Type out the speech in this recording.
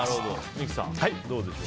三木さん、どうでしょう？